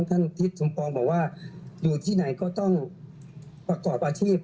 ทิศสมปองบอกว่าอยู่ที่ไหนก็ต้องประกอบอาชีพ